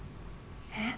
え？